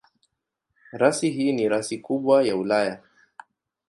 Rasi hii ni rasi kubwa ya Ulaya.